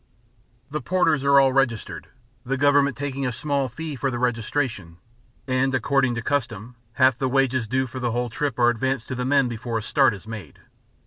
The porters are all registered, the Government taking a small fee for the registration; and according to custom half the wages due for the whole trip are advanced to the men before a start is made.